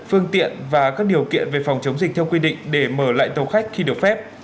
phương tiện và các điều kiện về phòng chống dịch theo quy định để mở lại tàu khách khi được phép